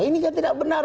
ini kan tidak benar